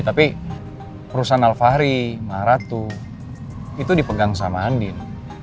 tapi perusahaan alfahri maharatu itu dipegang sama andien